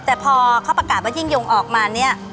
แต่พอเขาประกาศว่ายิ่งยงออกมาเนี่ย